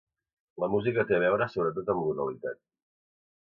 la música té a veure sobretot amb l'oralitat